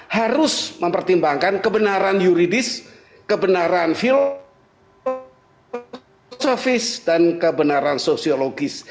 harus mempertimbangkan kebenaran yuridis kebenaran filosofis dan kebenaran sosiologis